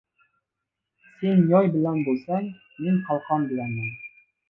• Sen yoy bilan bo‘lsang, men qalqon bilanman.